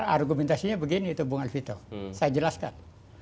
argumentasinya begini itu bung alvito saya jelaskan